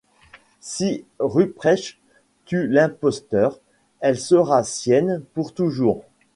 Si Ruprecht tue l'imposteur elle sera sienne pour toujours.